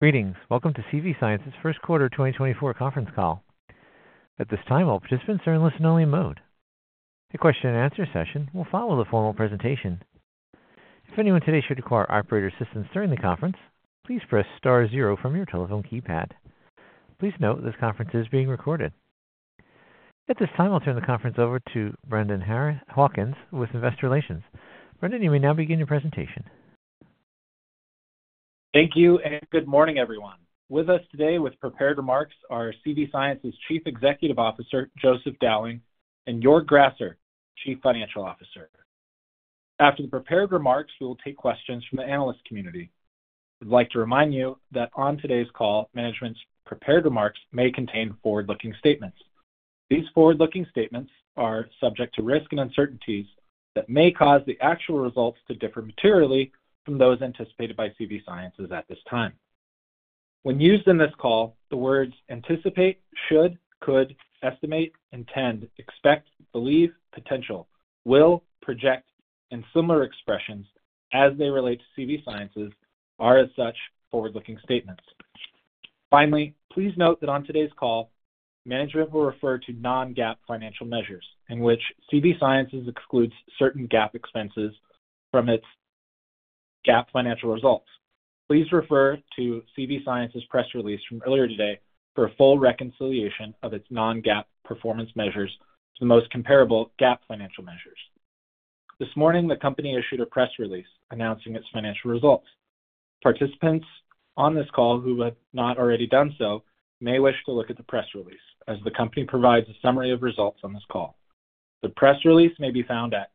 Greetings. Welcome to CV Sciences First Quarter 2024 Conference Call. At this time, all participants are in listen-only mode. The question-and-answer session will follow the formal presentation. If anyone today should require operator assistance during the conference, please press star zero from your telephone keypad. Please note this conference is being recorded. At this time, I'll turn the conference over to Brendan Hawkins with Investor Relations. Brendan, you may now begin your presentation. Thank you, and good morning, everyone. With us today with prepared remarks are CV Sciences Chief Executive Officer Joseph Dowling and Joerg Grasser, Chief Financial Officer. After the prepared remarks, we will take questions from the analyst community. I'd like to remind you that on today's call, management's prepared remarks may contain forward-looking statements. These forward-looking statements are subject to risk and uncertainties that may cause the actual results to differ materially from those anticipated by CV Sciences at this time. When used in this call, the words "anticipate," "should," "could," "estimate," "intend," "expect," "believe," "potential," "will," "project," and similar expressions as they relate to CV Sciences are as such forward-looking statements. Finally, please note that on today's call, management will refer to non-GAAP financial measures, in which CV Sciences excludes certain GAAP expenses from its GAAP financial results. Please refer to CV Sciences' press release from earlier today for a full reconciliation of its non-GAAP performance measures to the most comparable GAAP financial measures. This morning, the company issued a press release announcing its financial results. Participants on this call who have not already done so may wish to look at the press release, as the company provides a summary of results on this call. The press release may be found at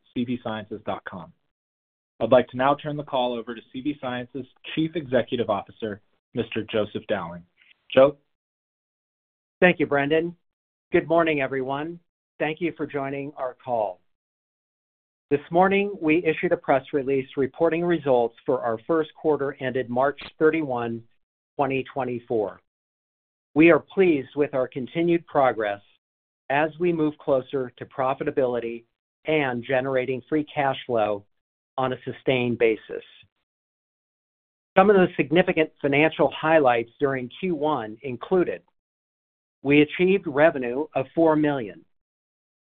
cvsciences.com. I'd like to now turn the call over to CV Sciences' Chief Executive Officer, Mr. Joseph Dowling. Joe? Thank you, Brendan. Good morning, everyone. Thank you for joining our call. This morning, we issued a press release reporting results for our first quarter ended March 31, 2024. We are pleased with our continued progress as we move closer to profitability and generating free cash flow on a sustained basis. Some of the significant financial highlights during Q1 included: we achieved revenue of $4 million,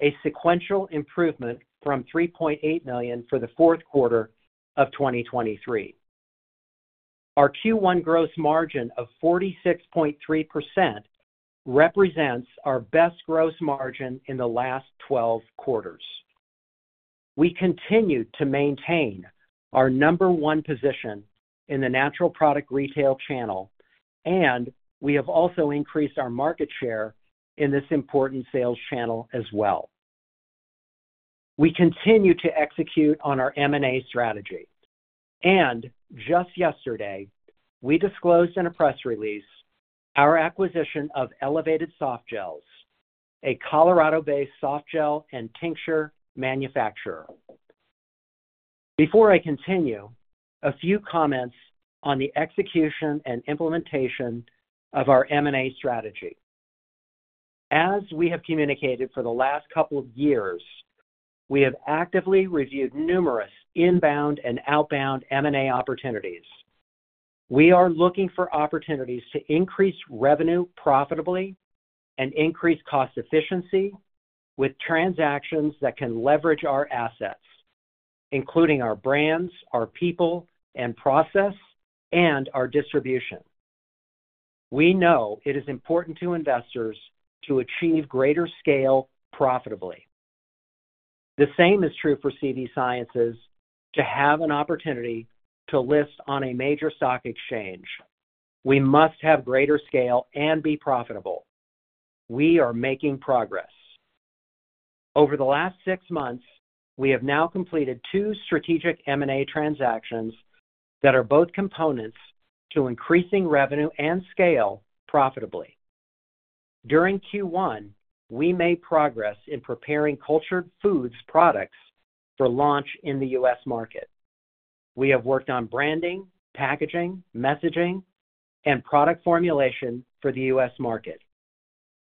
a sequential improvement from $3.8 million for the fourth quarter of 2023. Our Q1 gross margin of 46.3% represents our best gross margin in the last 12 quarters. We continue to maintain our number one position in the natural product retail channel, and we have also increased our market share in this important sales channel as well. We continue to execute on our M&A strategy, and just yesterday, we disclosed in a press release our acquisition of Elevated Softgels, a Colorado-based Softgel and tincture manufacturer. Before I continue, a few comments on the execution and implementation of our M&A strategy. As we have communicated for the last couple of years, we have actively reviewed numerous inbound and outbound M&A opportunities. We are looking for opportunities to increase revenue profitably and increase cost efficiency with transactions that can leverage our assets, including our brands, our people and process, and our distribution. We know it is important to investors to achieve greater scale profitably. The same is true for CV Sciences: to have an opportunity to list on a major stock exchange, we must have greater scale and be profitable. We are making progress. Over the last six months, we have now completed two strategic M&A transactions that are both components to increasing revenue and scale profitably. During Q1, we made progress in preparing Cultured Foods products for launch in the U.S. market. We have worked on branding, packaging, messaging, and product formulation for the U.S. market.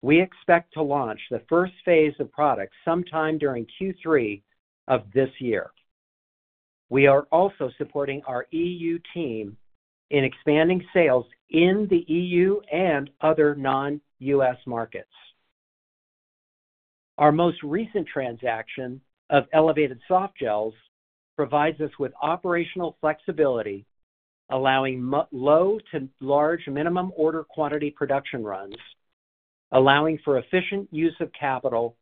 We expect to launch the first phase of products sometime during Q3 of this year. We are also supporting our EU team in expanding sales in the EU and other non-U.S. markets. Our most recent transaction of Elevated Softgels provides us with operational flexibility, allowing low to large minimum order quantity production runs, allowing for efficient use of capital,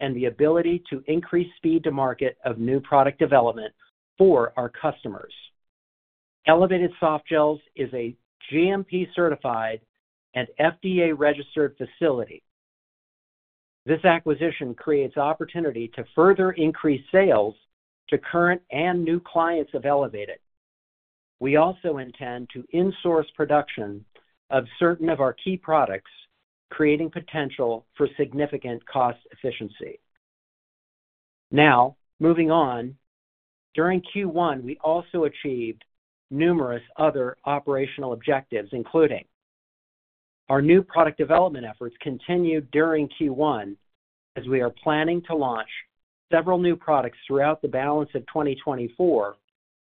and the ability to increase speed to market of new product development for our customers. Elevated Softgels is a GMP-certified and FDA-registered facility. This acquisition creates opportunity to further increase sales to current and new clients of Elevated. We also intend to insource production of certain of our key products, creating potential for significant cost efficiency. Now, moving on, during Q1, we also achieved numerous other operational objectives, including: our new product development efforts continue during Q1, as we are planning to launch several new products throughout the balance of 2024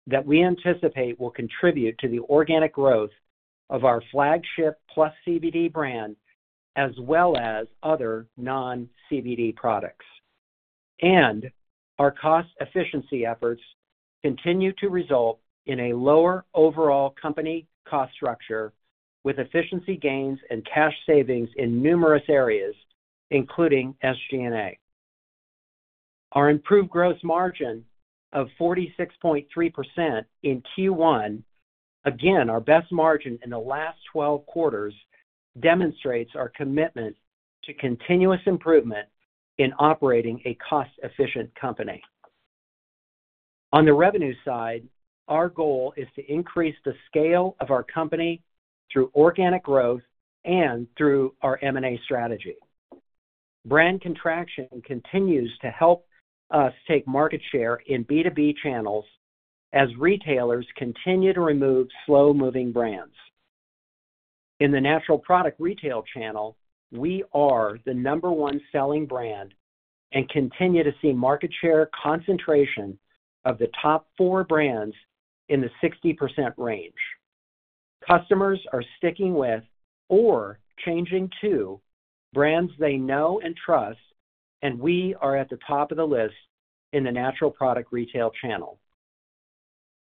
that we anticipate will contribute to the organic growth of our flagship PlusCBD brand as well as other non-CBD products. Our cost efficiency efforts continue to result in a lower overall company cost structure, with efficiency gains and cash savings in numerous areas, including SG&A. Our improved gross margin of 46.3% in Q1, again, our best margin in the last 12 quarters, demonstrates our commitment to continuous improvement in operating a cost-efficient company. On the revenue side, our goal is to increase the scale of our company through organic growth and through our M&A strategy. Brand contraction continues to help us take market share in B2B channels as retailers continue to remove slow-moving brands. In the natural product retail channel, we are the number one selling brand and continue to see market share concentration of the top four brands in the 60% range. Customers are sticking with or changing to brands they know and trust, and we are at the top of the list in the natural product retail channel.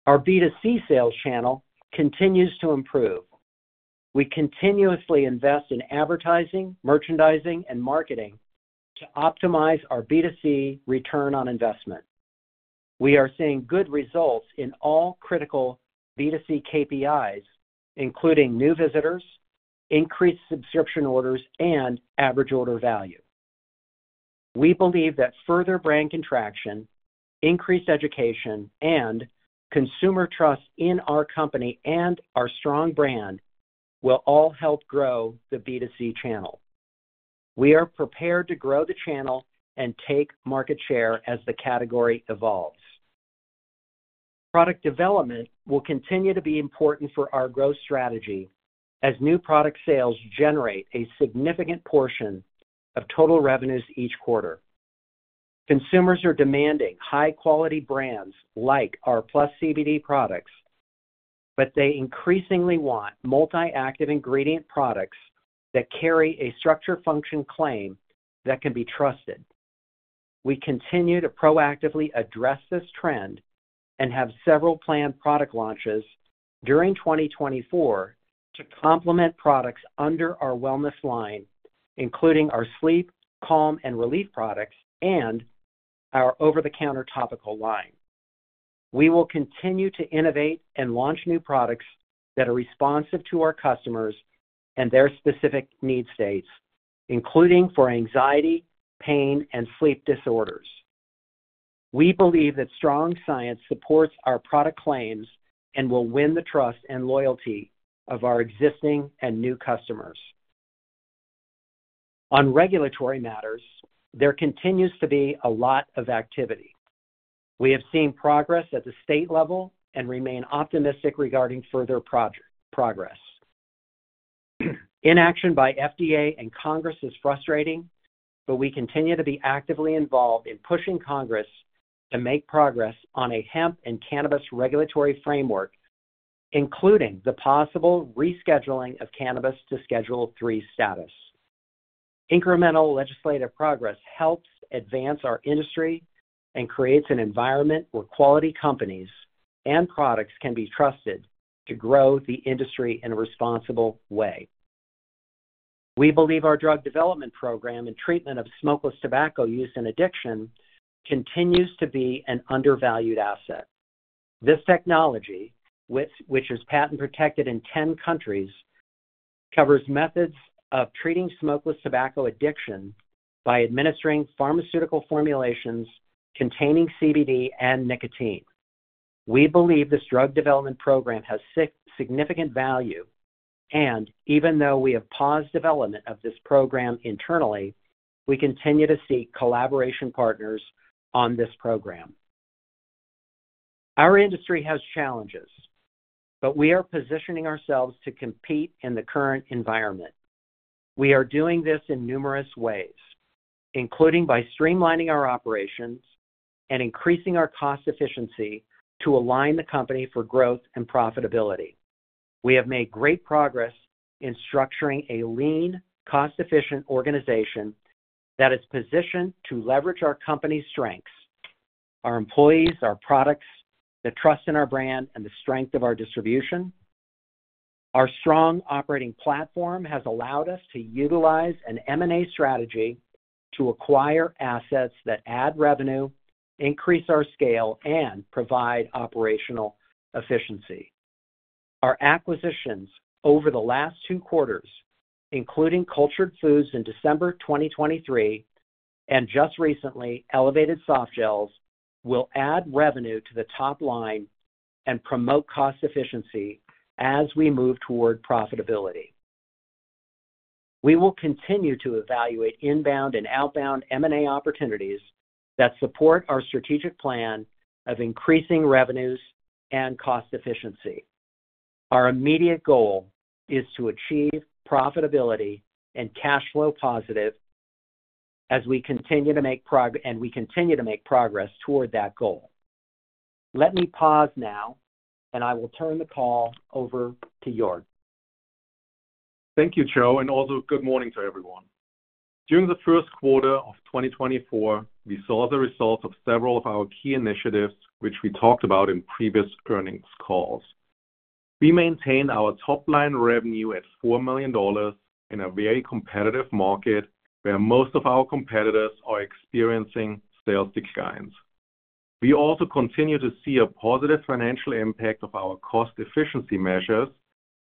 Our B2C sales channel continues to improve. We continuously invest in advertising, merchandising, and marketing to optimize our B2C return on investment. We are seeing good results in all critical B2C KPIs, including new visitors, increased subscription orders, and average order value. We believe that further brand contraction, increased education, and consumer trust in our company and our strong brand will all help grow the B2C channel. We are prepared to grow the channel and take market share as the category evolves. Product development will continue to be important for our growth strategy as new product sales generate a significant portion of total revenues each quarter. Consumers are demanding high-quality brands like our PlusCBD products, but they increasingly want multi-active ingredient products that carry a structure-function claim that can be trusted. We continue to proactively address this trend and have several planned product launches during 2024 to complement products under our wellness line, including our sleep, calm, and relief products, and our over-the-counter topical line. We will continue to innovate and launch new products that are responsive to our customers and their specific need states, including for anxiety, pain, and sleep disorders. We believe that strong science supports our product claims and will win the trust and loyalty of our existing and new customers. On regulatory matters, there continues to be a lot of activity. We have seen progress at the state level and remain optimistic regarding further progress. Inaction by FDA and Congress is frustrating, but we continue to be actively involved in pushing Congress to make progress on a hemp and cannabis regulatory framework, including the possible rescheduling of cannabis to Schedule III status. Incremental legislative progress helps advance our industry and creates an environment where quality companies and products can be trusted to grow the industry in a responsible way. We believe our drug development program in treatment of smokeless tobacco use and addiction continues to be an undervalued asset. This technology, which is patent protected in 10 countries, covers methods of treating smokeless tobacco addiction by administering pharmaceutical formulations containing CBD and nicotine. We believe this drug development program has significant value, and even though we have paused development of this program internally, we continue to seek collaboration partners on this program. Our industry has challenges, but we are positioning ourselves to compete in the current environment. We are doing this in numerous ways, including by streamlining our operations and increasing our cost efficiency to align the company for growth and profitability. We have made great progress in structuring a lean, cost-efficient organization that is positioned to leverage our company's strengths: our employees, our products, the trust in our brand, and the strength of our distribution. Our strong operating platform has allowed us to utilize an M&A strategy to acquire assets that add revenue, increase our scale, and provide operational efficiency. Our acquisitions over the last two quarters, including Cultured Foods in December 2023 and just recently Elevated Softgels, will add revenue to the top line and promote cost efficiency as we move toward profitability. We will continue to evaluate inbound and outbound M&A opportunities that support our strategic plan of increasing revenues and cost efficiency. Our immediate goal is to achieve profitability and cash flow positive as we continue to make progress and we continue to make progress toward that goal. Let me pause now, and I will turn the call over to Joerg. Thank you, Joe, and also good morning to everyone. During the first quarter of 2024, we saw the results of several of our key initiatives, which we talked about in previous earnings calls. We maintained our top line revenue at $4 million in a very competitive market where most of our competitors are experiencing sales declines. We also continue to see a positive financial impact of our cost efficiency measures,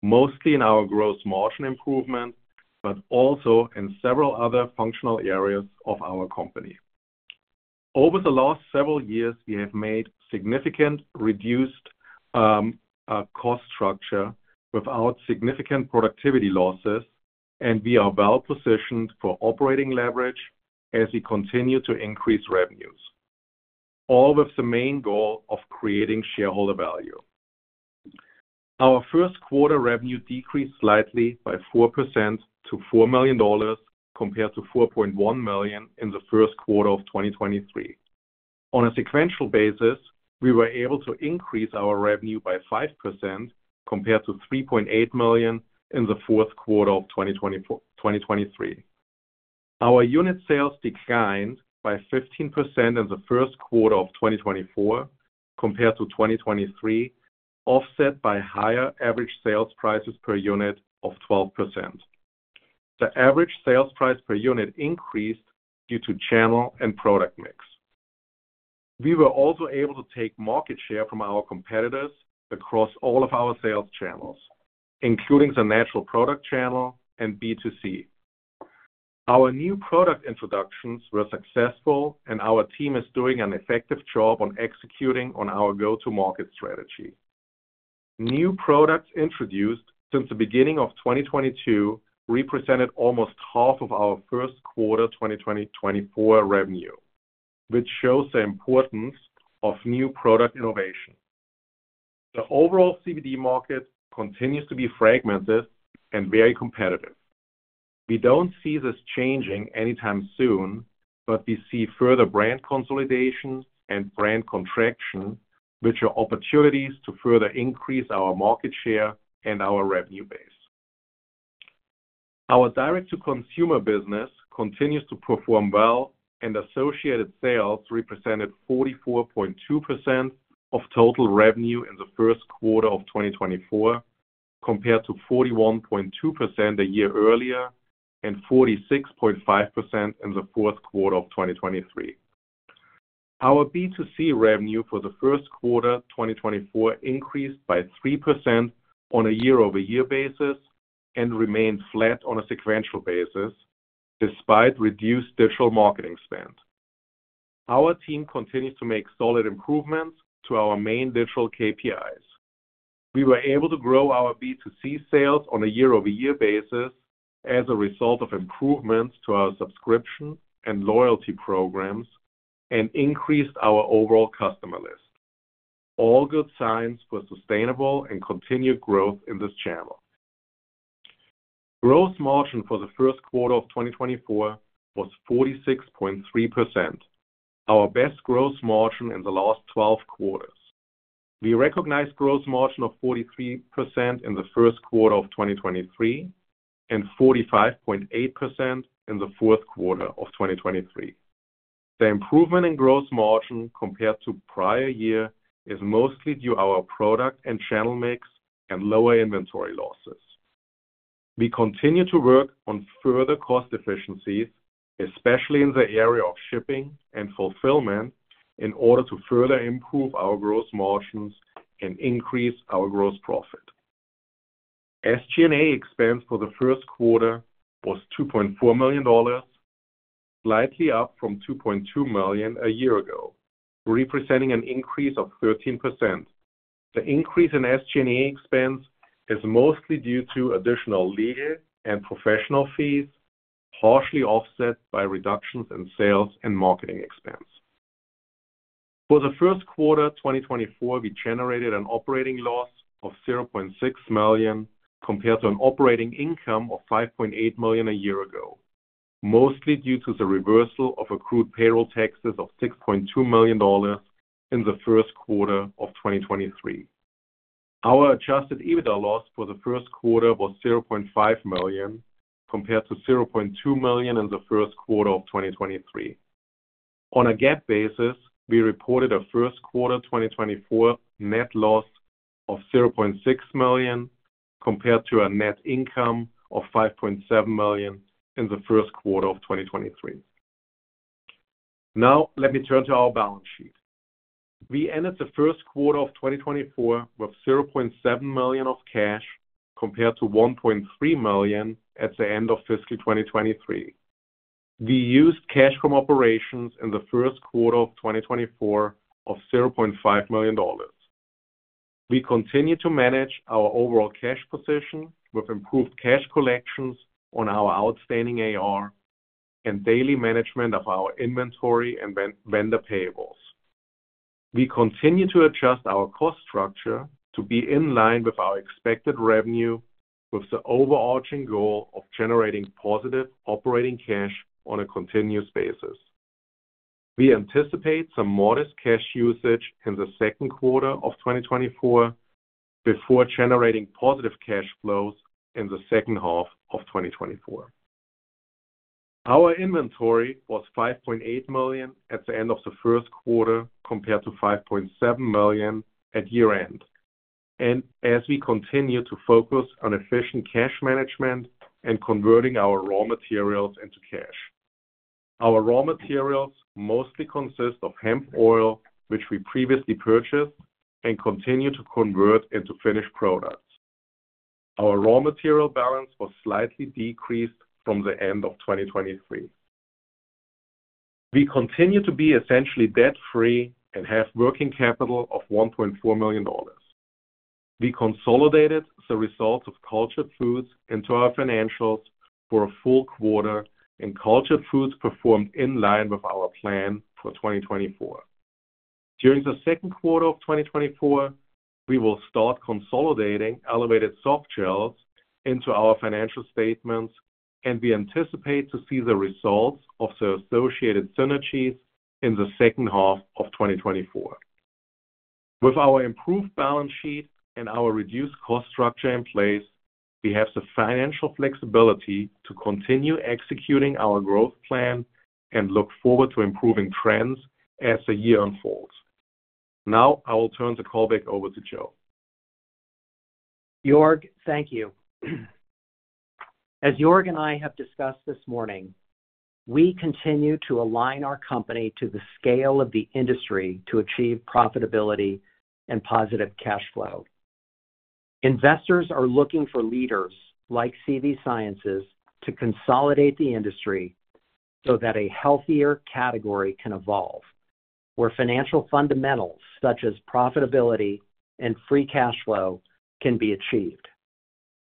mostly in our gross margin improvement, but also in several other functional areas of our company. Over the last several years, we have made significantly reduced cost structure without significant productivity losses, and we are well positioned for operating leverage as we continue to increase revenues, all with the main goal of creating shareholder value. Our first quarter revenue decreased slightly by 4% to $4 million compared to $4.1 million in the first quarter of 2023. On a sequential basis, we were able to increase our revenue by 5% compared to $3.8 million in the fourth quarter of 2023. Our unit sales declined by 15% in the first quarter of 2024 compared to 2023, offset by higher average sales prices per unit of 12%. The average sales price per unit increased due to channel and product mix. We were also able to take market share from our competitors across all of our sales channels, including the natural product channel and B2C. Our new product introductions were successful, and our team is doing an effective job on executing on our go-to-market strategy. New products introduced since the beginning of 2022 represented almost half of our first quarter 2024 revenue, which shows the importance of new product innovation. The overall CBD market continues to be fragmented and very competitive. We don't see this changing anytime soon, but we see further brand consolidation and brand contraction, which are opportunities to further increase our market share and our revenue base. Our direct-to-consumer business continues to perform well, and associated sales represented 44.2% of total revenue in the first quarter of 2024 compared to 41.2% the year earlier and 46.5% in the fourth quarter of 2023. Our B2C revenue for the first quarter 2024 increased by 3% on a year-over-year basis and remained flat on a sequential basis despite reduced digital marketing spend. Our team continues to make solid improvements to our main digital KPIs. We were able to grow our B2C sales on a year-over-year basis as a result of improvements to our subscription and loyalty programs and increased our overall customer list, all good signs for sustainable and continued growth in this channel. Gross margin for the first quarter of 2024 was 46.3%, our best gross margin in the last 12 quarters. We recognize gross margin of 43% in the first quarter of 2023 and 45.8% in the fourth quarter of 2023. The improvement in gross margin compared to prior year is mostly due to our product and channel mix and lower inventory losses. We continue to work on further cost efficiencies, especially in the area of shipping and fulfillment, in order to further improve our gross margins and increase our gross profit. SG&A expense for the first quarter was $2.4 million, slightly up from $2.2 million a year ago, representing an increase of 13%. The increase in SG&A expense is mostly due to additional legal and professional fees, partially offset by reductions in sales and marketing expense. For the first quarter 2024, we generated an operating loss of $0.6 million compared to an operating income of $5.8 million a year ago, mostly due to the reversal of accrued payroll taxes of $6.2 million in the first quarter of 2023. Our Adjusted EBITDA loss for the first quarter was $0.5 million compared to $0.2 million in the first quarter of 2023. On a GAAP basis, we reported a first quarter 2024 net loss of $0.6 million compared to a net income of $5.7 million in the first quarter of 2023. Now, let me turn to our balance sheet. We ended the first quarter of 2024 with $0.7 million of cash compared to $1.3 million at the end of fiscal 2023. We used cash from operations in the first quarter of 2024 of $0.5 million. We continue to manage our overall cash position with improved cash collections on our outstanding AR and daily management of our inventory and vendor payables. We continue to adjust our cost structure to be in line with our expected revenue, with the overarching goal of generating positive operating cash on a continuous basis. We anticipate some modest cash usage in the second quarter of 2024 before generating positive cash flows in the second half of 2024. Our inventory was $5.8 million at the end of the first quarter compared to $5.7 million at year-end, and as we continue to focus on efficient cash management and converting our raw materials into cash. Our raw materials mostly consist of hemp oil, which we previously purchased and continue to convert into finished products. Our raw material balance was slightly decreased from the end of 2023. We continue to be essentially debt-free and have working capital of $1.4 million. We consolidated the results of Cultured Foods into our financials for a full quarter, and Cultured Foods performed in line with our plan for 2024. During the second quarter of 2024, we will start consolidating Elevated Softgels into our financial statements, and we anticipate to see the results of the associated synergies in the second half of 2024. With our improved balance sheet and our reduced cost structure in place, we have the financial flexibility to continue executing our growth plan and look forward to improving trends as the year unfolds. Now, I will turn the call back over to Joe. Joerg, thank you. As Joerg and I have discussed this morning, we continue to align our company to the scale of the industry to achieve profitability and positive cash flow. Investors are looking for leaders like CV Sciences to consolidate the industry so that a healthier category can evolve, where financial fundamentals such as profitability and free cash flow can be achieved.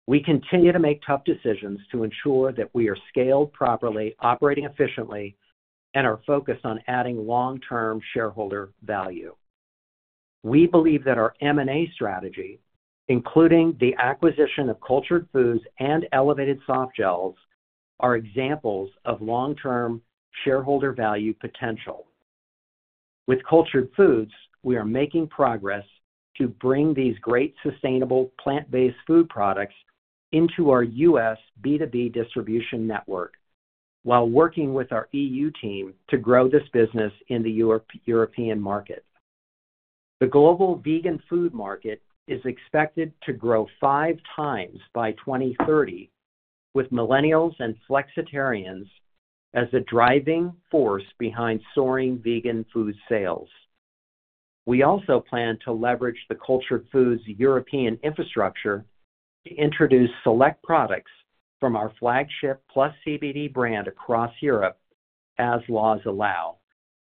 We continue to make tough decisions to ensure that we are scaled properly, operating efficiently, and are focused on adding long-term shareholder value. We believe that our M&A strategy, including the acquisition of Cultured Foods and Elevated Softgels, are examples of long-term shareholder value potential. With Cultured Foods, we are making progress to bring these great sustainable plant-based food products into our U.S. B2B distribution network while working with our EU team to grow this business in the European market. The global vegan food market is expected to grow five times by 2030, with Millennials and flexitarians as the driving force behind soaring vegan food sales. We also plan to leverage the Cultured Foods' European infrastructure to introduce select products from our flagship PlusCBD brand across Europe as laws allow,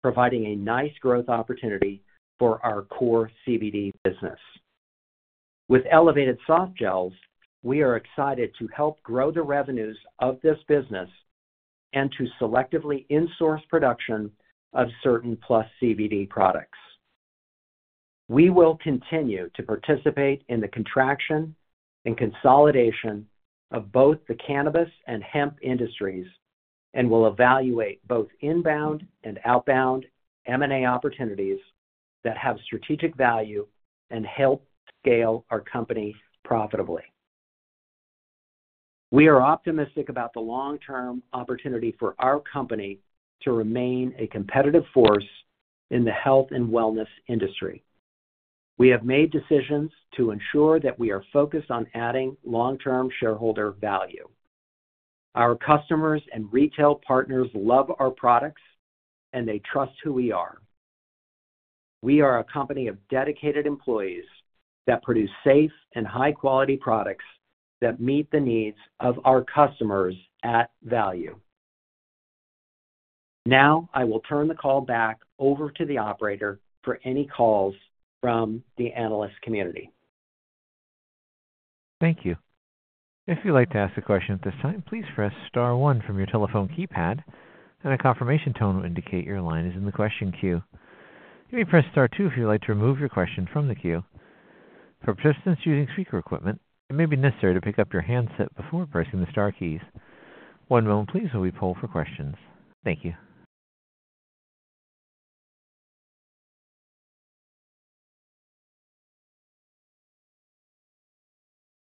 providing a nice growth opportunity for our core CBD business. With Elevated Softgels, we are excited to help grow the revenues of this business and to selectively insource production of certain PlusCBD products. We will continue to participate in the contraction and consolidation of both the cannabis and hemp industries and will evaluate both inbound and outbound M&A opportunities that have strategic value and help scale our company profitably. We are optimistic about the long-term opportunity for our company to remain a competitive force in the health and wellness industry. We have made decisions to ensure that we are focused on adding long-term shareholder value. Our customers and retail partners love our products, and they trust who we are. We are a company of dedicated employees that produce safe and high-quality products that meet the needs of our customers at value. Now, I will turn the call back over to the operator for any calls from the analyst community. Thank you. If you'd like to ask a question at this time, please press star one from your telephone keypad, and a confirmation tone will indicate your line is in the question queue. You may press star two if you'd like to remove your question from the queue. For participants using speaker equipment, it may be necessary to pick up your handset before pressing the star keys. One moment, please, while we pull for questions. Thank you.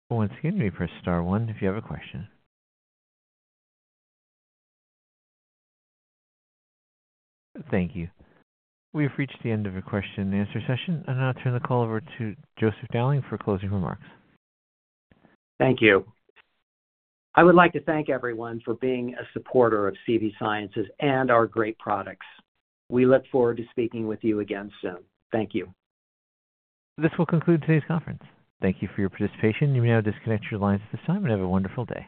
Once again, you may press star one if you have a question. Thank you. We have reached the end of our question and answer session, and I'll turn the call over to Joseph Dowling for closing remarks. Thank you. I would like to thank everyone for being a supporter of CV Sciences and our great products. We look forward to speaking with you again soon. Thank you. This will conclude today's conference. Thank you for your participation. You may now disconnect your lines at this time and have a wonderful day.